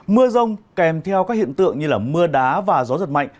mưa rông kèm theo các hiện tượng như mưa đá và gió giật mạnh